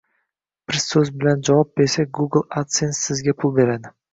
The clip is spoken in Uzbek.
Bir so’z bilan javob bersak, Google adsense Sizga pul beradi